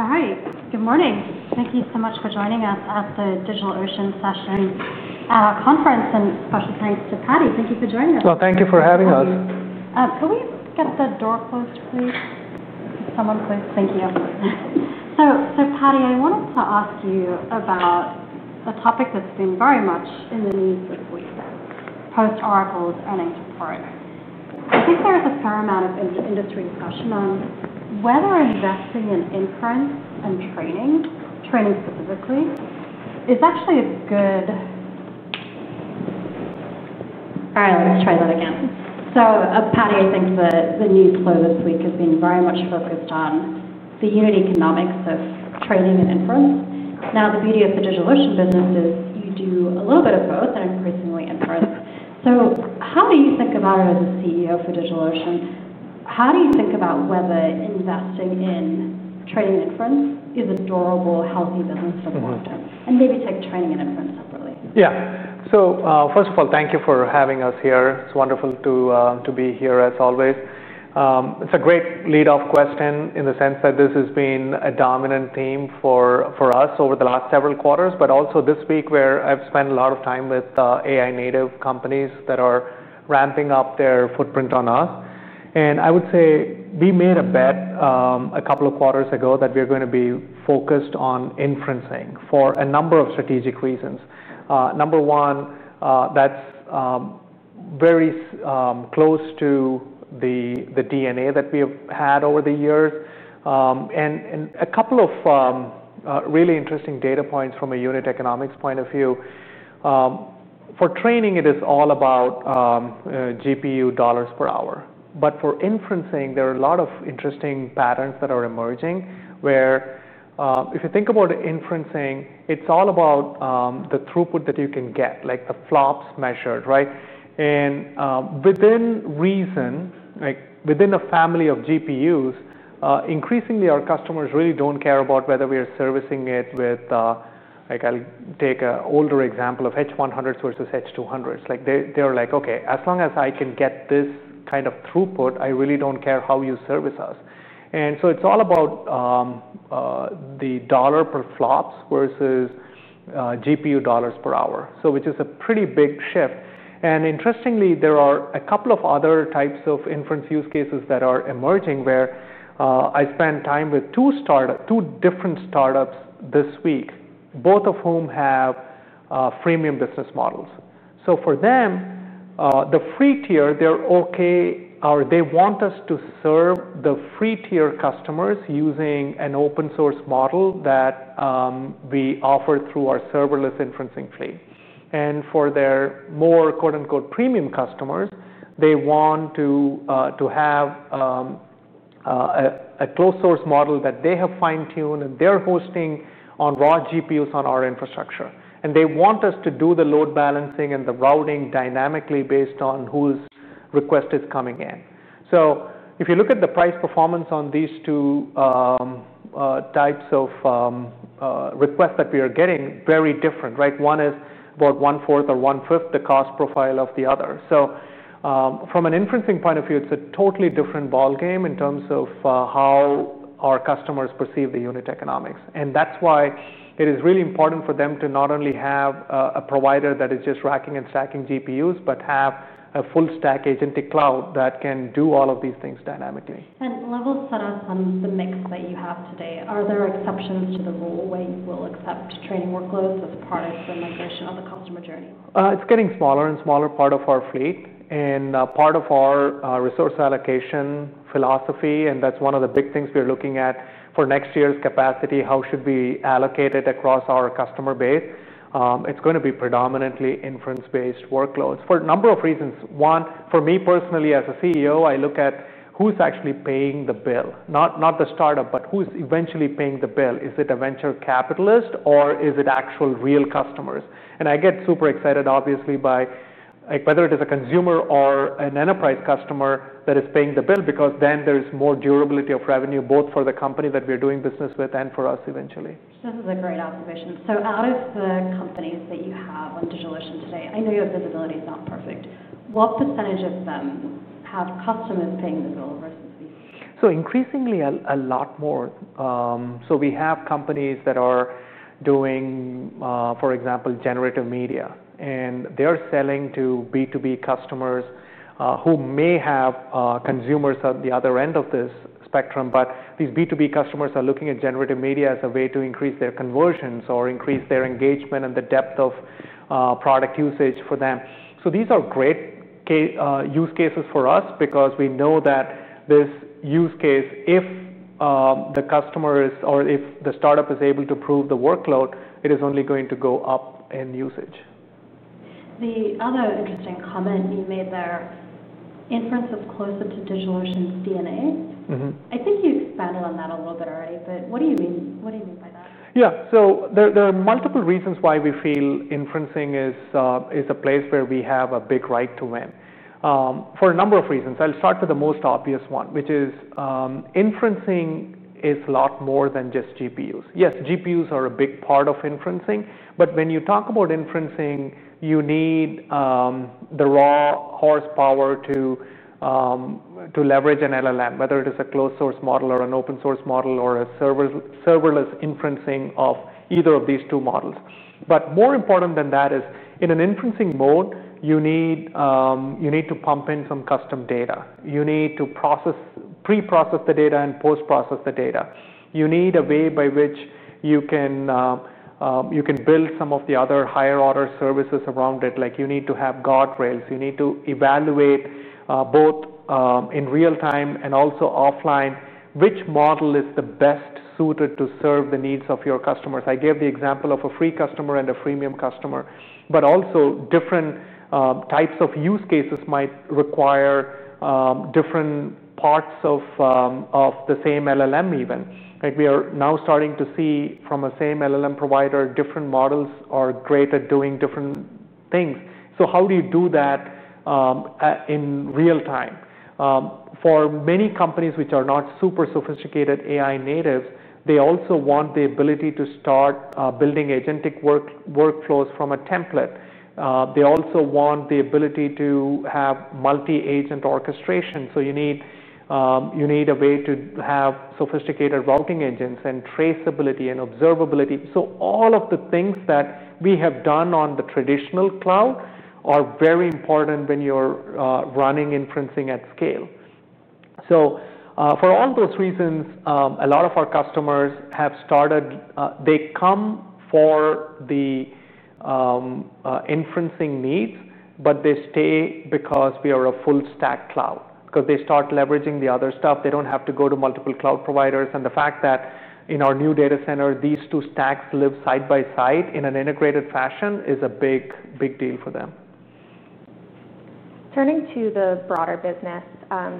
All right. Good morning. Thank you so much for joining us at the DigitalOcean session at our conference. Especially thanks to Paddy. Thank you for joining us. Thank you for having us. Could we get the door closed, please? Can someone close? Thank you. Paddy, I wanted to ask you about a topic that's been very much in the news this week: post-argo and entrepreneurs. I think there is a fair amount of industry discussion on whether investing in imprint and training, training specifically, is actually a good—alright, let's try that again. Paddy, I think that the news flow this week has been very much focused on the unit economics of training and inference. The beauty of the DigitalOcean business is you do a little bit of both and increasingly inference. How do you think about it as a CEO for DigitalOcean? How do you think about whether investing in training and inference is a durable, healthy business for the long term? Maybe take training and inference separately. Yeah. First of all, thank you for having us here. It's wonderful to be here as always. It's a great lead-off question in the sense that this has been a dominant theme for us over the last several quarters, but also this week where I've spent a lot of time with AI-native companies that are ramping up their footprint on us. I would say we made a bet a couple of quarters ago that we are going to be focused on inferencing for a number of strategic reasons. Number one, that's very close to the DNA that we have had over the years. A couple of really interesting data points from a unit economics point of view. For training, it is all about GPU dollars per hour. For inferencing, there are a lot of interesting patterns that are emerging where if you think about inferencing, it's all about the throughput that you can get, like the flops measured, right? Within reason, within a family of GPUs, increasingly, our customers really don't care about whether we are servicing it with, I'll take an older example of H100s versus H200s. They're like, OK, as long as I can get this kind of throughput, I really don't care how you service us. It's all about the dollar per flops versus GPU dollars per hour, which is a pretty big shift. Interestingly, there are a couple of other types of inference use cases that are emerging where I spent time with two different startups this week, both of whom have freemium business models. For them, the free tier, they're OK, or they want us to serve the free tier customers using an open-source model that we offer through our serverless inferencing fleet. For their more "premium" customers, they want to have a closed-source model that they have fine-tuned and they're hosting on raw GPUs on our infrastructure. They want us to do the load balancing and the routing dynamically based on whose request is coming in. If you look at the price performance on these two types of requests that we are getting, very different. One is about 1/4 or 1/5 the cost profile of the other. From an inferencing point of view, it's a totally different ballgame in terms of how our customers perceive the unit economics. That's why it is really important for them to not only have a provider that is just racking and stacking GPUs, but have a full stack agentic cloud that can do all of these things dynamically. Levels set our funds, the mix that you have today, are there exceptions to the rule where you will accept training workloads as a part of the migration of the customer journey? It's getting a smaller and smaller part of our fleet and part of our resource allocation philosophy. That's one of the big things we are looking at for next year's capacity. How should we allocate it across our customer base? It's going to be predominantly inference-based workloads for a number of reasons. One, for me personally as CEO, I look at who's actually paying the bill, not the startup, but who's eventually paying the bill. Is it a venture capitalist or is it actual real customers? I get super excited, obviously, by whether it is a consumer or an enterprise customer that is paying the bill because then there is more durability of revenue both for the company that we are doing business with and for us eventually. This is a great observation. Out of the companies that you have on DigitalOcean today, I know your visibility is not perfect. What % of them have customers paying the bill? We have companies that are doing, for example, generative media. They are selling to B2B customers who may have consumers at the other end of this spectrum. These B2B customers are looking at generative media as a way to increase their conversions or increase their engagement and the depth of product usage for them. These are great use cases for us because we know that this use case, if the customer is or if the startup is able to prove the workload, it is only going to go up in usage. The other interesting comment you made there, inference is closer to DigitalOcean's DNA. I think you expanded on that a little bit already, but what do you mean by that? Yeah. There are multiple reasons why we feel inferencing is a place where we have a big right to win for a number of reasons. I'll start with the most obvious one, which is inferencing is a lot more than just GPUs. Yes, GPUs are a big part of inferencing. When you talk about inferencing, you need the raw horsepower to leverage an LLM, whether it is a closed-source model or an open-source model or a serverless inferencing of either of these two models. More important than that is in an inferencing mode, you need to pump in some custom data. You need to pre-process the data and post-process the data. You need a way by which you can build some of the other higher order services around it. You need to have guardrails. You need to evaluate both in real time and also offline which model is the best suited to serve the needs of your customers. I gave the example of a free customer and a freemium customer. Different types of use cases might require different parts of the same LLM even. We are now starting to see from a same LLM provider, different models are great at doing different things. How do you do that in real time? For many companies which are not super sophisticated AI natives, they also want the ability to start building agentic workflows from a template. They also want the ability to have multi-agent orchestration. You need a way to have sophisticated routing engines and traceability and observability. All of the things that we have done on the traditional cloud are very important when you're running inferencing at scale. For all those reasons, a lot of our customers have started, they come for the inferencing needs, but they stay because we are a full stack cloud. They start leveraging the other stuff, they don't have to go to multiple cloud providers. The fact that in our new data center, these two stacks live side by side in an integrated fashion is a big, big deal for them. Turning to the broader business,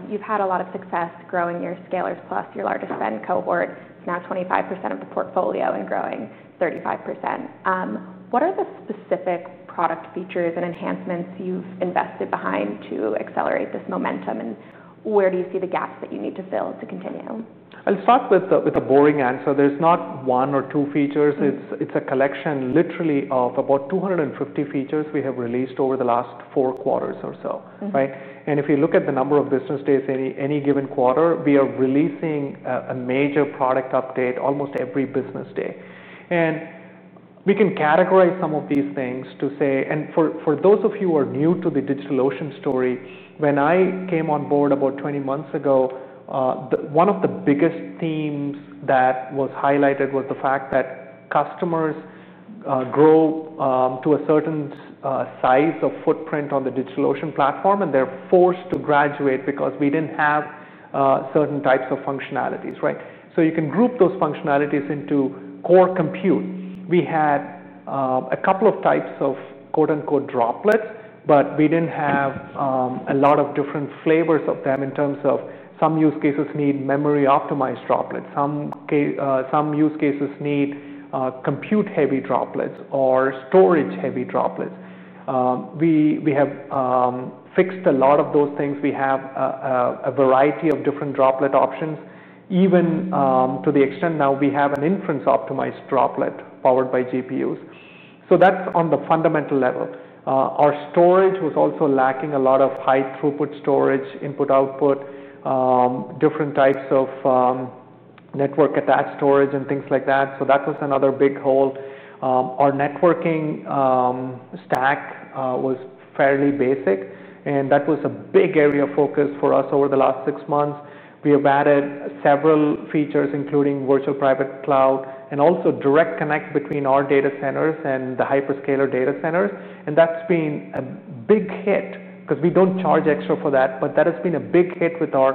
you've had a lot of success growing your scalers plus your largest spend cohort. It's now 25% of the portfolio and growing 35%. What are the specific product features and enhancements you've invested behind to accelerate this momentum? Where do you see the gaps that you need to fill to continue? I'll start with a boring answer. There's not one or two features. It's a collection literally of about 250 features we have released over the last four quarters or so. If you look at the number of business days in any given quarter, we are releasing a major product update almost every business day. We can categorize some of these things to say, for those of you who are new to the DigitalOcean story, when I came on board about 20 months ago, one of the biggest themes that was highlighted was the fact that customers grow to a certain size of footprint on the DigitalOcean platform and they're forced to graduate because we didn't have certain types of functionalities. You can group those functionalities into core compute. We had a couple of types of Droplets, but we didn't have a lot of different flavors of them in terms of some use cases need memory-optimized Droplets. Some use cases need compute-heavy Droplets or storage-heavy Droplets. We have fixed a lot of those things. We have a variety of different Droplet options, even to the extent now we have an inference-optimized Droplet powered by GPUs. That's on the fundamental level. Our storage was also lacking a lot of high-throughput storage, input-output, different types of network-attached storage, and things like that. That was another big hole. Our networking stack was fairly basic. That was a big area of focus for us over the last six months. We have added several features, including Virtual Private Cloud and also direct connect between our data centers and the hyperscaler data centers. That's been a big hit because we don't charge extra for that. That has been a big hit with our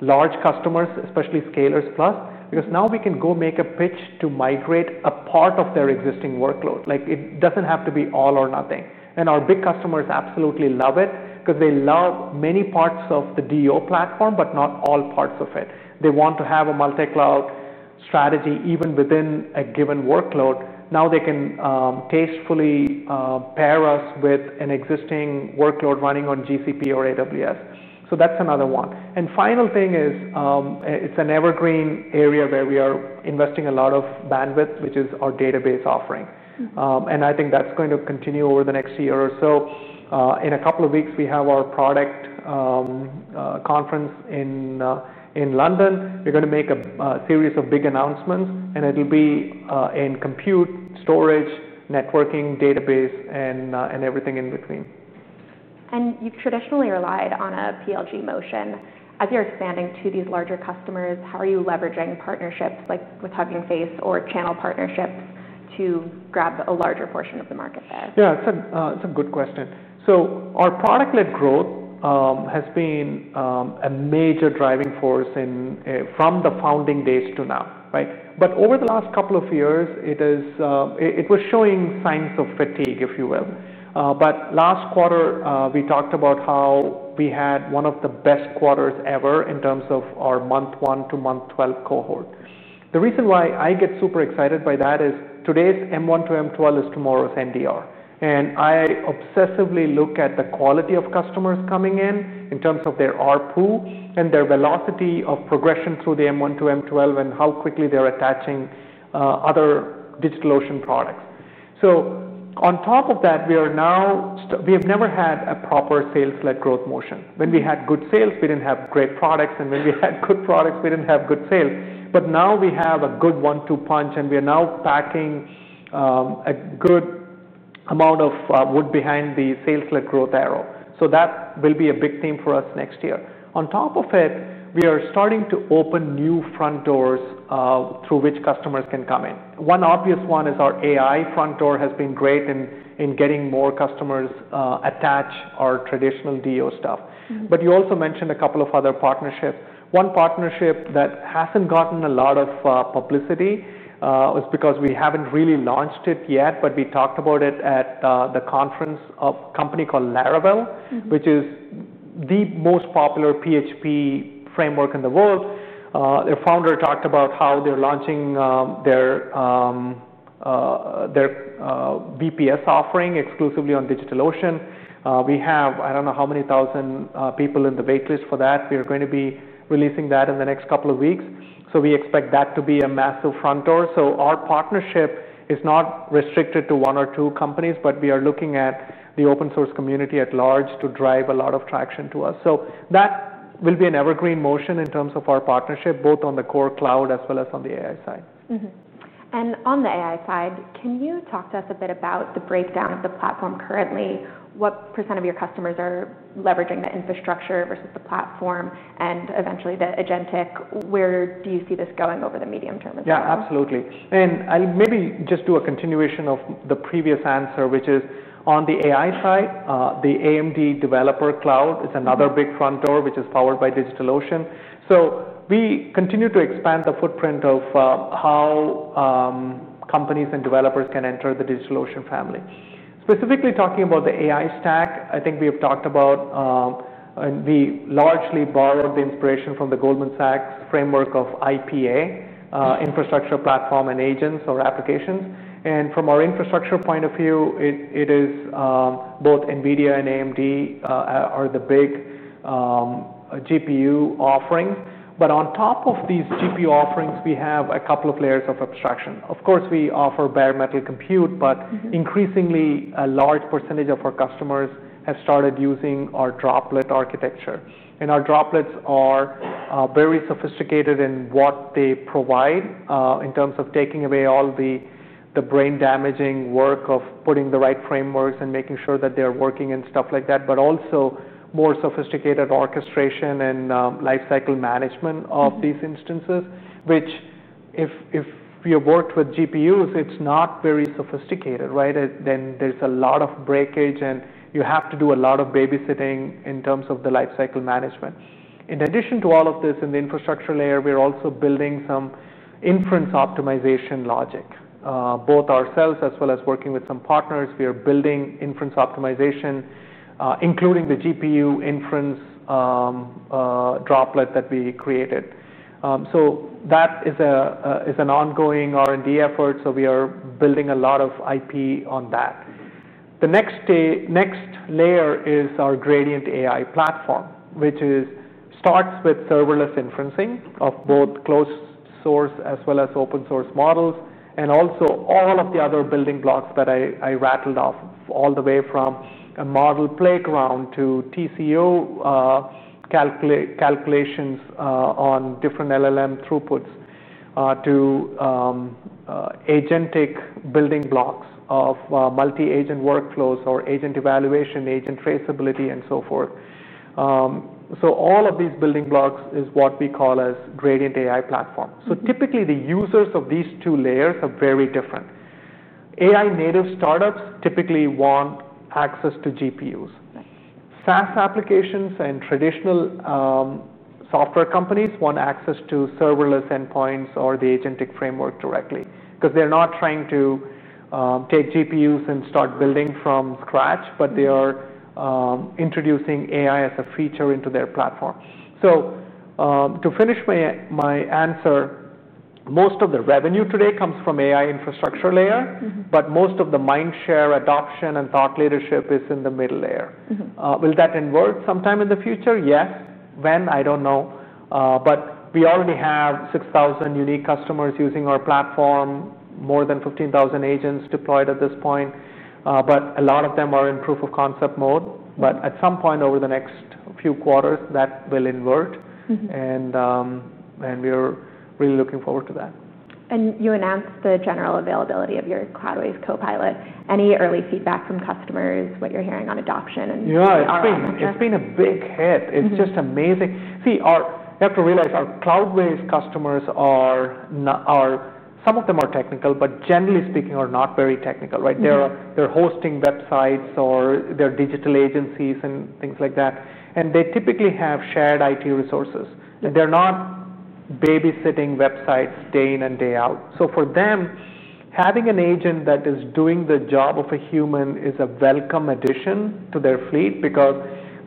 large customers, especially scalers plus, because now we can go make a pitch to migrate a part of their existing workload. It doesn't have to be all or nothing. Our big customers absolutely love it because they love many parts of the DigitalOcean platform, but not all parts of it. They want to have a multi-cloud strategy even within a given workload. Now they can tastefully pair us with an existing workload running on GCP or AWS. That's another one. The final thing is it's an evergreen area where we are investing a lot of bandwidth, which is our database offering. I think that's going to continue over the next year or so. In a couple of weeks, we have our product conference in London. We're going to make a series of big announcements. It'll be in compute, storage, networking, database, and everything in between. You've traditionally relied on a PLG motion. As you're expanding to these larger customers, how are you leveraging partnerships like with Hugging Face or channel partnerships to grab a larger portion of the market there? Yeah, it's a good question. Our product-led growth has been a major driving force from the founding days to now. Over the last couple of years, it was showing signs of fatigue, if you will. Last quarter, we talked about how we had one of the best quarters ever in terms of our month 1 to month 12 cohort. The reason why I get super excited by that is today's M1 to M12 is tomorrow's NDR. I obsessively look at the quality of customers coming in in terms of their ARPU and their velocity of progression through the M1 to M12 and how quickly they're attaching other DigitalOcean products. On top of that, we have never had a proper sales-led growth motion. When we had good sales, we didn't have great products. When we had good products, we didn't have good sales. Now we have a good one-two punch. We are now packing a good amount of wood behind the sales-led growth arrow. That will be a big theme for us next year. On top of it, we are starting to open new front doors through which customers can come in. One obvious one is our AI front door has been great in getting more customers attached to our traditional DigitalOcean stuff. You also mentioned a couple of other partnerships. One partnership that hasn't gotten a lot of publicity is because we haven't really launched it yet. We talked about it at the conference, a company called Laravel, which is the most popular PHP framework in the world. Their founder talked about how they're launching their VPS offering exclusively on DigitalOcean. We have, I don't know how many thousand people in the waitlist for that. We are going to be releasing that in the next couple of weeks. We expect that to be a massive front door. Our partnership is not restricted to one or two companies, but we are looking at the open source community at large to drive a lot of traction to us. That will be an evergreen motion in terms of our partnership, both on the core cloud as well as on the AI side. On the AI side, can you talk to us a bit about the breakdown of the platform currently? What % of your customers are leveraging the infrastructure versus the platform and eventually the agentic? Where do you see this going over the medium term as well? Yeah, absolutely. I'll maybe just do a continuation of the previous answer, which is on the AI side. The AMD developer cloud is another big front door, which is powered by DigitalOcean. We continue to expand the footprint of how companies and developers can enter the DigitalOcean family. Specifically talking about the AI stack, I think we have talked about, and we largely borrowed the inspiration from the Goldman Sachs framework of IPA, Infrastructure Platform and Agents, or applications. From our infrastructure point of view, both NVIDIA and AMD are the big GPU offerings. On top of these GPU offerings, we have a couple of layers of abstraction. Of course, we offer bare metal compute. Increasingly, a large percentage of our customers have started using our Droplet architecture. Our Droplets are very sophisticated in what they provide in terms of taking away all the brain-damaging work of putting the right frameworks and making sure that they're working and stuff like that, but also more sophisticated orchestration and lifecycle management of these instances, which if you worked with GPUs, it's not very sophisticated. There's a lot of breakage, and you have to do a lot of babysitting in terms of the lifecycle management. In addition to all of this, in the infrastructure layer, we're also building some inference optimization logic. Both ourselves as well as working with some partners, we are building inference optimization, including the GPU inference Droplet that we created. That is an ongoing R&D effort. We are building a lot of IP on that. The next layer is our Gradient AI platform, which starts with serverless inferencing of both closed-source as well as open-source models and also all of the other building blocks that I rattled off, all the way from a model playground to TCO calculations on different LLM throughputs to agentic building blocks of multi-agent workflows or agent evaluation, agent traceability, and so forth. All of these building blocks is what we call as Gradient AI platform. Typically, the users of these two layers are very different. AI-native startups typically want access to GPUs. SaaS applications and traditional software companies want access to serverless endpoints or the agentic framework directly because they're not trying to take GPUs and start building from scratch. They are introducing AI as a feature into their platform. To finish my answer, most of the revenue today comes from AI infrastructure layer. Most of the mindshare adoption and thought leadership is in the middle layer. Will that invert sometime in the future? Yes. When? I don't know. We already have 6,000 unique customers using our platform, more than 15,000 agents deployed at this point. A lot of them are in proof of concept mode. At some point over the next few quarters, that will invert. We are really looking forward to that. You announced the general availability of your Cloudways copilot. Any early feedback from customers? What are you hearing on adoption? Yeah, it's been a big hit. It's just amazing. See, you have to realize our Cloudways customers, some of them are technical. Generally speaking, they are not very technical. They're hosting websites or they're digital agencies and things like that. They typically have shared IT resources. They're not babysitting websites day in and day out. For them, having an agent that is doing the job of a human is a welcome addition to their fleet because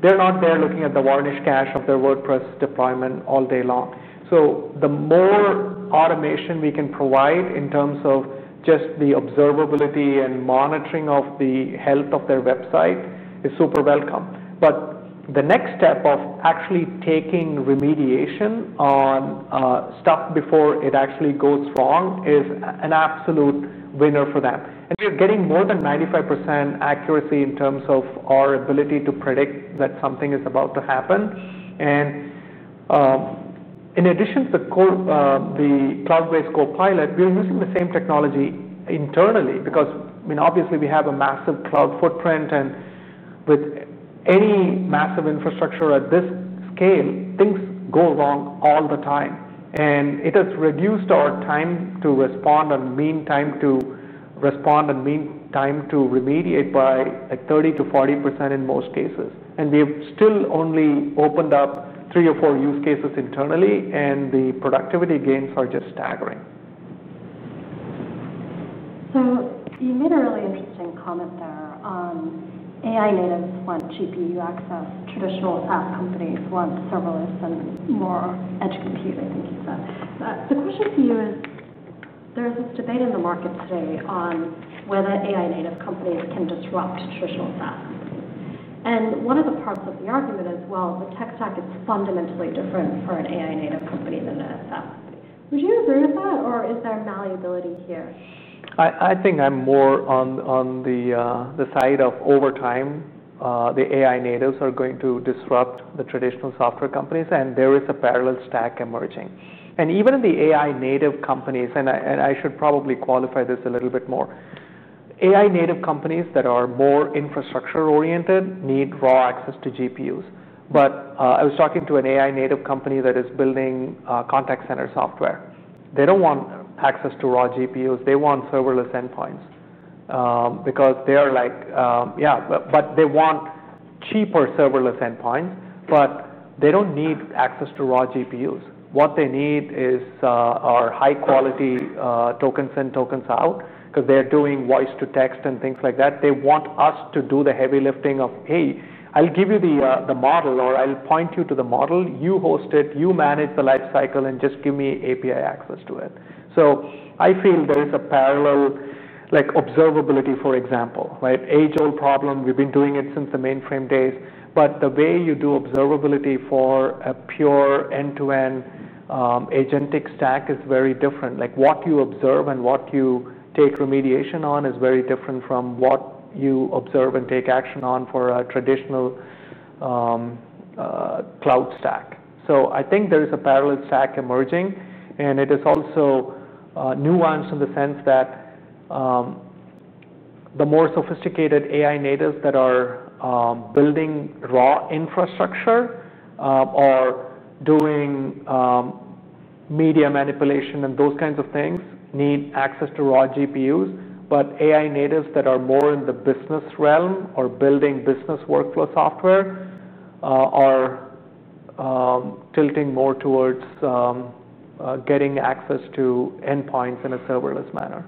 they're not there looking at the varnish cache of their WordPress deployment all day long. The more automation we can provide in terms of just the observability and monitoring of the health of their website is super welcome. The next step of actually taking remediation on stuff before it actually goes wrong is an absolute winner for them. We are getting more than 95% accuracy in terms of our ability to predict that something is about to happen. In addition to the Cloudways copilot, we are using the same technology internally because, I mean, obviously, we have a massive cloud footprint. With any massive infrastructure at this scale, things go wrong all the time. It has reduced our time to respond and mean time to respond and mean time to remediate by 30% to 40% in most cases. We have still only opened up three or four use cases internally. The productivity gains are just staggering. You made a really interesting comment there. AI natives want GPU access. Traditional SaaS companies want serverless and more edge compute, I think you said. The question for you is there is this debate in the market today on whether AI native companies can disrupt traditional SaaS companies. One of the parts of the argument is, the tech stack is fundamentally different for an AI native company than the SaaS company. Would you agree with that? Is there malleability here? I think I'm more on the side of over time, the AI natives are going to disrupt the traditional software companies. There is a parallel stack emerging. Even in the AI native companies, and I should probably qualify this a little bit more, AI native companies that are more infrastructure-oriented need raw access to GPUs. I was talking to an AI native company that is building contact center software. They don't want access to raw GPUs. They want serverless endpoints because they are like, yeah, but they want cheaper serverless endpoints. They don't need access to raw GPUs. What they need are high-quality tokens in, tokens out because they're doing voice-to-text and things like that. They want us to do the heavy lifting of, hey, I'll give you the model, or I'll point you to the model. You host it. You manage the lifecycle and just give me API access to it. I feel there is a parallel observability, for example. Age-old problem. We've been doing it since the mainframe days. The way you do observability for a pure end-to-end agentic stack is very different. What you observe and what you take remediation on is very different from what you observe and take action on for a traditional cloud stack. I think there is a parallel stack emerging. It is also nuanced in the sense that the more sophisticated AI natives that are building raw infrastructure or doing media manipulation and those kinds of things need access to raw GPUs. AI natives that are more in the business realm or building business workflow software are tilting more towards getting access to endpoints in a serverless manner.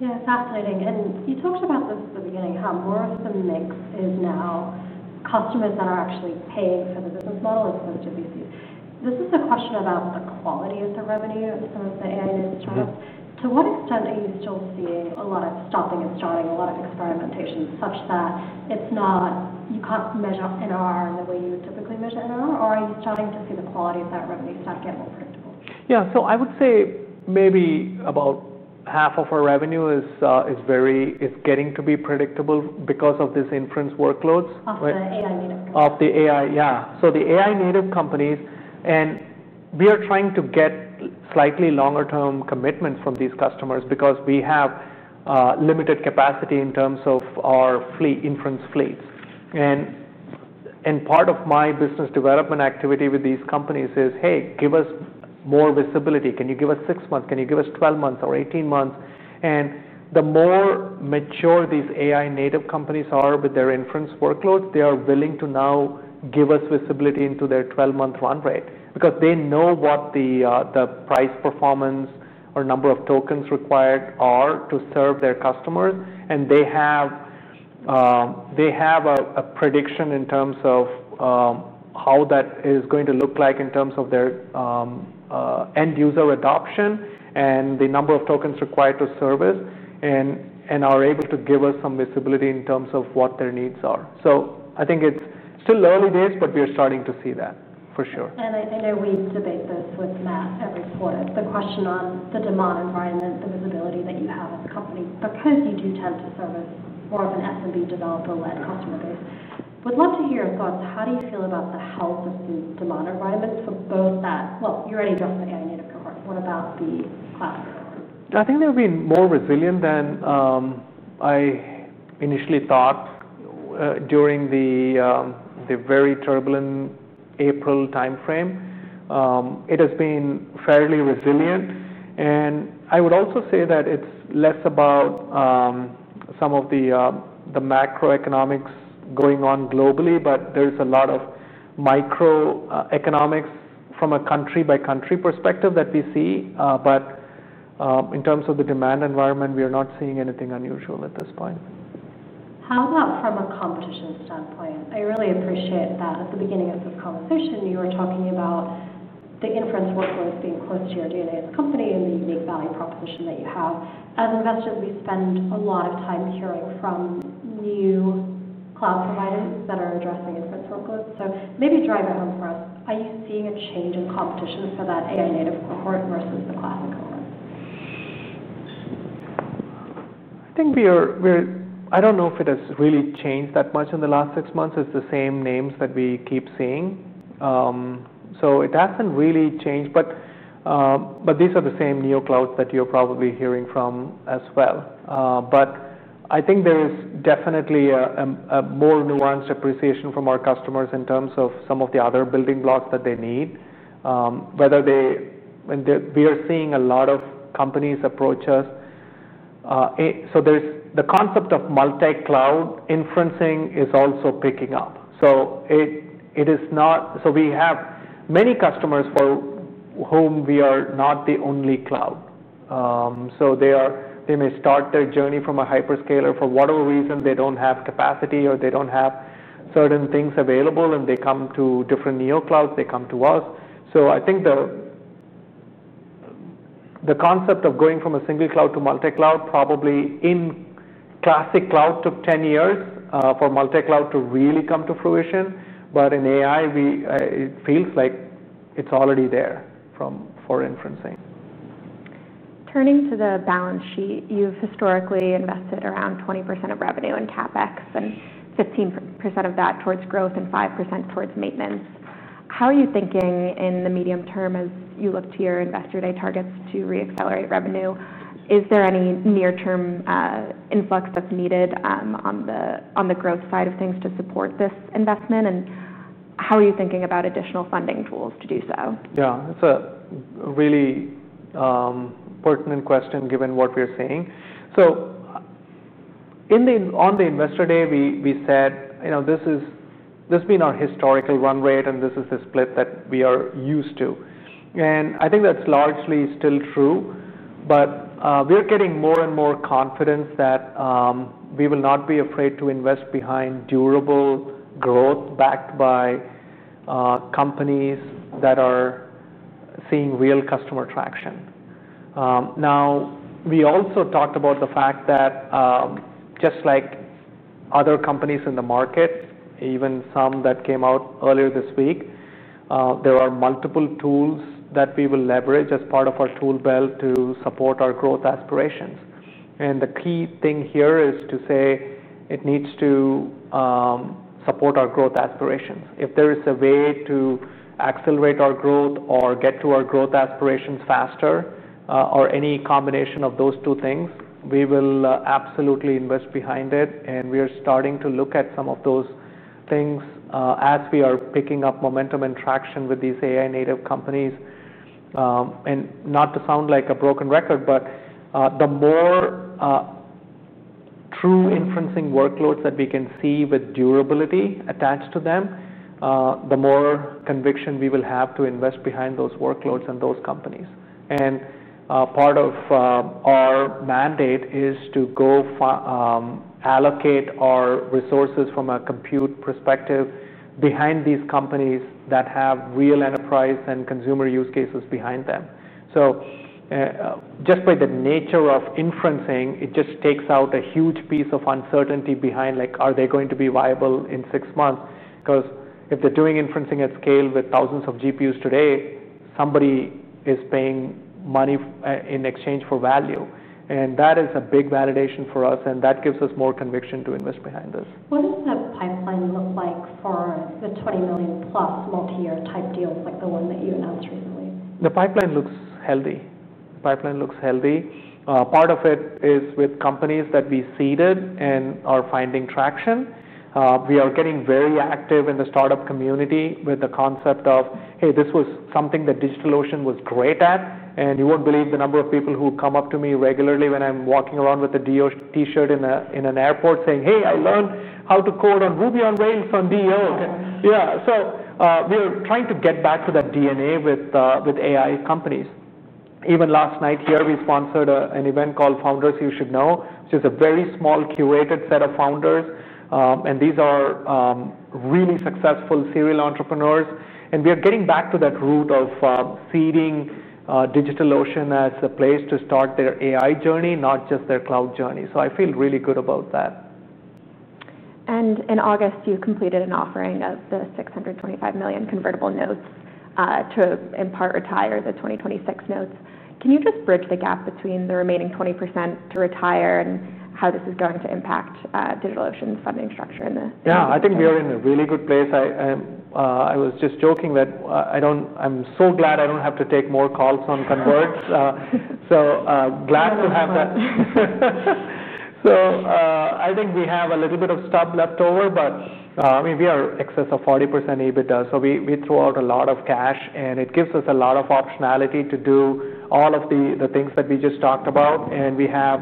Yeah, it's fascinating. You talked about this at the beginning, how more of a mix is now customers that are actually paying for the business model as opposed to these users. This is a question about the quality of the revenue of some of the AI-native startups. To what extent are you still seeing a lot of stopping and starting, a lot of experimentation, such that you can't measure NR the way you would typically measure NR? Are you starting to see the quality of that revenue start getting improved? I would say maybe about half of our revenue is getting to be predictable because of these inference workloads. Of the AI-native companies? Of the AI, yeah. The AI-native companies, we are trying to get slightly longer-term commitments from these customers because we have limited capacity in terms of our inference fleets. Part of my business development activity with these companies is, hey, give us more visibility. Can you give us six months? Can you give us 12 months or 18 months? The more mature these AI-native companies are with their inference workloads, they are willing to now give us visibility into their 12-month run rate because they know what the price performance or number of tokens required are to serve their customer. They have a prediction in terms of how that is going to look in terms of their end-user adoption and the number of tokens required to service and are able to give us some visibility in terms of what their needs are. I think it's still early days, but we are starting to see that for sure. I know we've debated this with Matt every quarter, the question on the demand environment, the visibility that you have as a company, because you do tend to serve more of an SMB developer-led customer base. I would love to hear your thoughts. How do you feel about the health of the demand environment for both that, you already addressed the AI-native cohort, what about the SaaS? I think they've been more resilient than I initially thought during the very turbulent April time frame. It has been fairly resilient. I would also say that it's less about some of the macroeconomics going on globally. There's a lot of microeconomics from a country-by-country perspective that we see. In terms of the demand environment, we are not seeing anything unusual at this point. How about from a competition standpoint? I really appreciate that at the beginning of this conversation, you were talking about the inference workloads being close to your DNA as a company and the unique value proposition that you have. As investors, we spend a lot of time hearing from new cloud providers that are addressing inference workloads. Maybe drive it home for us. Are you seeing a change in competition for that AI-native cohort versus the cloud? I think we are, I don't know if it has really changed that much in the last six months. It's the same names that we keep seeing. It hasn't really changed. These are the same NeoClouds that you're probably hearing from as well. I think there is definitely a more nuanced appreciation from our customers in terms of some of the other building blocks that they need. We are seeing a lot of companies approach us. The concept of multi-cloud inferencing is also picking up. We have many customers for whom we are not the only cloud. They may start their journey from a hyperscaler. For whatever reason, they don't have capacity or they don't have certain things available, and they come to different NeoClouds. They come to us. I think the concept of going from a single cloud to multi-cloud, probably in classic cloud, took 10 years for multi-cloud to really come to fruition. In AI, it feels like it's already there for inferencing. Turning to the balance sheet, you've historically invested around 20% of revenue in CapEx, with 15% of that towards growth and 5% towards maintenance. How are you thinking in the medium term as you look to your investor day targets to re-accelerate revenue? Is there any near-term influx that's needed on the growth side of things to support this investment? How are you thinking about additional funding pools to do so? Yeah, that's a really pertinent question given what we're seeing. On the investor day, we said, you know, this has been our historical run rate. This is the split that we are used to. I think that's largely still true. We are getting more and more confidence that we will not be afraid to invest behind durable growth backed by companies that are seeing real customer traction. We also talked about the fact that just like other companies in the market, even some that came out earlier this week, there are multiple tools that we will leverage as part of our tool belt to support our growth aspirations. The key thing here is to say it needs to support our growth aspirations. If there is a way to accelerate our growth or get to our growth aspirations faster or any combination of those two things, we will absolutely invest behind it. We are starting to look at some of those things as we are picking up momentum and traction with these AI-native companies. Not to sound like a broken record, but the more true inference workloads that we can see with durability attached to them, the more conviction we will have to invest behind those workloads and those companies. Part of our mandate is to go allocate our resources from a compute perspective behind these companies that have real enterprise and consumer use cases behind them. Just by the nature of inference, it just takes out a huge piece of uncertainty behind, like, are they going to be viable in six months? If they're doing inference at scale with thousands of GPUs today, somebody is paying money in exchange for value. That is a big validation for us. That gives us more conviction to invest behind this. What does the pipeline look like for the $20 million plus multi-year type deals like the one that you announced recently? The pipeline looks healthy. The pipeline looks healthy. Part of it is with companies that we seeded and are finding traction. We are getting very active in the startup community with the concept of, hey, this was something that DigitalOcean was great at. You won't believe the number of people who come up to me regularly when I'm walking around with a DigitalOcean t-shirt in an airport saying, hey, I learned how to code on Ruby on Rails on DigitalOcean. We are trying to get back to that DNA with AI companies. Even last night here, we sponsored an event called Founders You Should Know, which is a very small curated set of founders. These are really successful serial entrepreneurs. We are getting back to that route of seeding DigitalOcean as a place to start their AI journey, not just their cloud journey. I feel really good about that. In August, you completed an offering of the $625 million convertible notes to in part retire the 2026 notes. Can you just bridge the gap between the remaining 20% to retire and how this is going to impact DigitalOcean's funding structure in the future? Yeah, I think we are in a really good place. I was just joking that I'm so glad I don't have to take more calls on converts. So glad to have that. I think we have a little bit of stub left over. I mean, we are in excess of 40% EBITDA. We throw out a lot of cash, and it gives us a lot of optionality to do all of the things that we just talked about. We have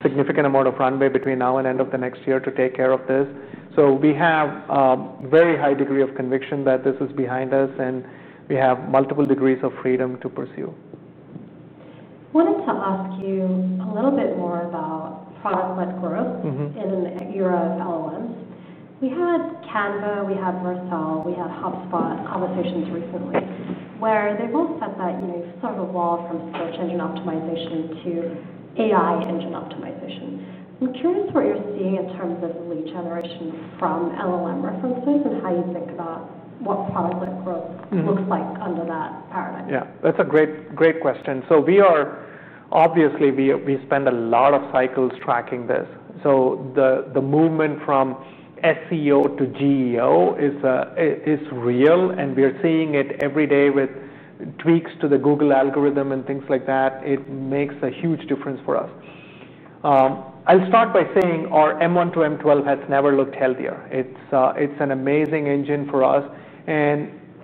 a significant amount of runway between now and the end of the next year to take care of this. We have a very high degree of conviction that this is behind us, and we have multiple degrees of freedom to pursue. I wanted to ask you a little bit more about product-led growth in your LLMs. We had Canva. We had Vercel. We had HubSpot conversations recently where they both said that you've sort of evolved from search engine optimization to AI engine optimization. I'm curious what you're seeing in terms of lead generation from LLM references and how you think about what product-led growth looks like under that paradigm. Yeah, that's a great question. We obviously spend a lot of cycles tracking this. The movement from SEO to GEO is real, and we are seeing it every day with tweaks to the Google algorithm and things like that. It makes a huge difference for us. I'll start by saying our M1 to M12 has never looked healthier. It's an amazing engine for us.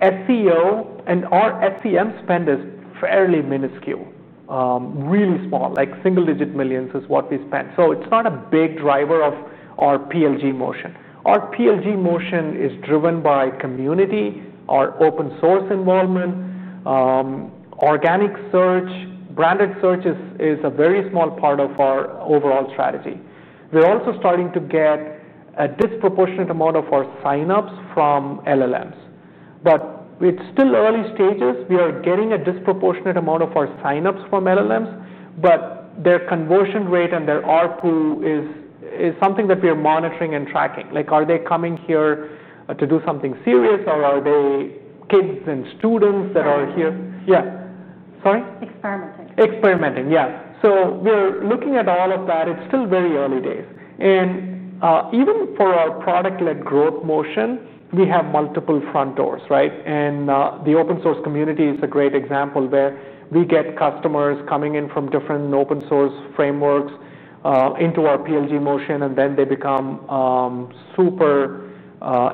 Our SEM spend is fairly minuscule, really small, like single-digit millions is what we spend. It's not a big driver of our PLG motion. Our PLG motion is driven by community, our open source involvement, and organic search. Branded search is a very small part of our overall strategy. We're also starting to get a disproportionate amount of our signups from LLMs, but it's still early stages. We are getting a disproportionate amount of our signups from LLMs, but their conversion rate and their ARPU is something that we are monitoring and tracking. Are they coming here to do something serious, or are they kids and students that are here? Yeah, sorry? Experimenting. Experimenting, yeah. We are looking at all of that. It's still very early days. Even for our product-led growth motion, we have multiple front doors. The open source community is a great example where we get customers coming in from different open source frameworks into our PLG motion, and then they become super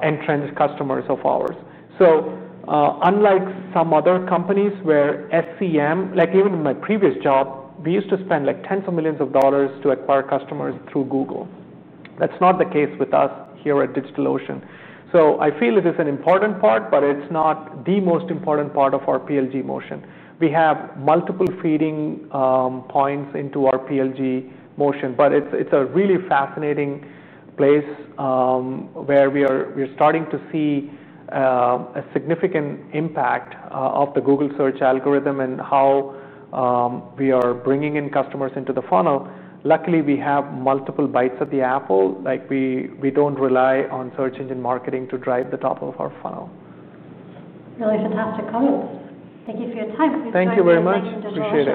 entrance customers of ours. Unlike some other companies where SEM, like even in my previous job, we used to spend like tens of millions of dollars to acquire customers through Google, that's not the case with us here at DigitalOcean. I feel it is an important part, but it's not the most important part of our PLG motion. We have multiple feeding points into our PLG motion. It's a really fascinating place where we are starting to see a significant impact of the Google search algorithm and how we are bringing in customers into the funnel. Luckily, we have multiple bites of the apple. We don't rely on search engine marketing to drive the top of our funnel. Really fantastic comments. Thank you for your time. Thank you very much. Appreciate it.